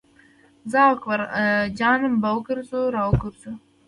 زه او اکبر جان به وګرځو را وګرځو.